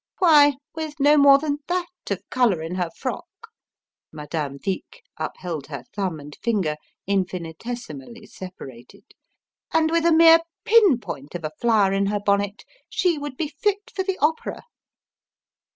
Why, with no more than that of colour in her frock" Madame Vic upheld her thumb and finger infinitesimally separated "and with a mere pin point of a flower in her bonnet, she would be fit for the opera!"